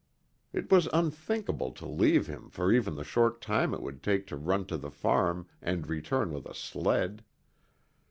It was unthinkable to leave him for even the short time it would take to run to the farm and return with a sled.